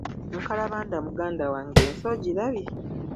Nkalabanda muganda wange ensi ogirabye?